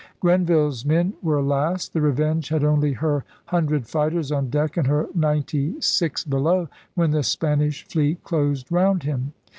Grenville's men were last. The Revenge had only *her hundred fighters on deck and her ninety sick below' when the Spanish fleet closed round him.